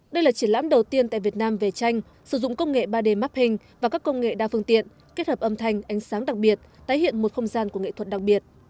đây là triển lãm đầu tiên tại việt nam về tranh sử dụng công nghệ ba d mắp hình và các công nghệ đa phương tiện kết hợp âm thanh ánh sáng đặc biệt tái hiện một không gian của nghệ thuật đặc biệt